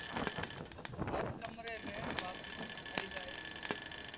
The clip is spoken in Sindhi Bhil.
هر ڪمري ميݩ بآٿروم ٺهيٚل اهي۔